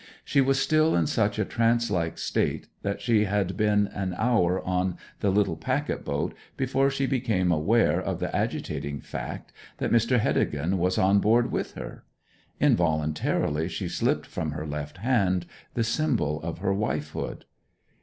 She was still in such a trance like state that she had been an hour on the little packet boat before she became aware of the agitating fact that Mr. Heddegan was on board with her. Involuntarily she slipped from her left hand the symbol of her wifehood.